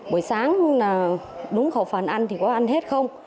buổi sáng là đúng khẩu phần ăn thì có ăn hết không